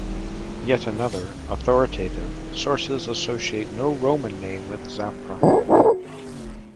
Yet other, authoritative, sources associate no Roman name with Zafra.